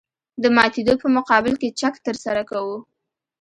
د ماتېدو په مقابل کې چک ترسره کوو